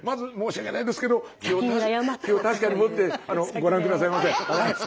気を確かに持ってご覧下さいませ。